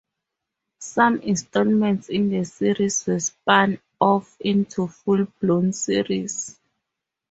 Some installments in the series were spun off into full-blown series.